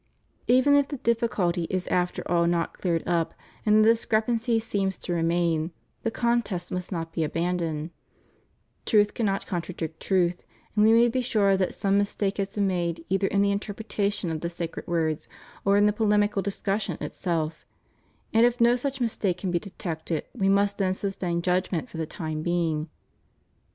Even if the difficulty 300 THE STUDY OF HOLY SCRIPTURE. is after all not cleared up and the discrepancy seems to remain, the contest must not be abandoned ; truth cannot contradict truth, and we may be sure that some mistake has been made either in the interpretation of the sacred words or in the polemical discussion itself; and if no such mistake can be detected, we must then suspend judgment for the time being.